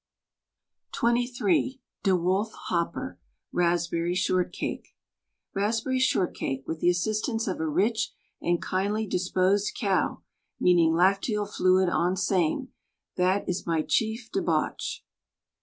THE STAG COOK BOOK XXIII De Wolf Hopper RASPBERRY SHORTCAKE RASPBERRY SHORTCAKE, with the assistance of a rich and kindly disposed cow, meaning lacteal fluid on same — that is my chief debauch